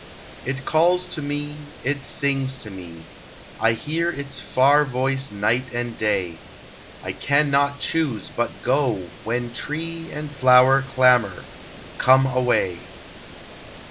It calls to me; it sings to me; I hear its far voice night and day; I can not choose but go when tree And flower clamor, "Come, away!"